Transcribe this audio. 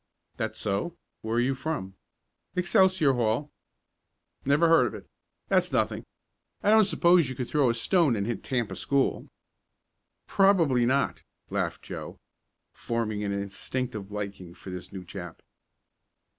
"That so? Where are you from?" "Excelsior Hall." "Never heard of it. That's nothing. I don't s'pose you could throw a stone and hit Tampa School?" "Probably not," laughed Joe, forming an instinctive liking for this new chap.